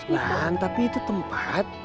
lan tapi itu tempat